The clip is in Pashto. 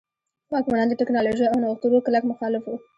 واکمنان د ټکنالوژۍ او نوښتونو کلک مخالف وو.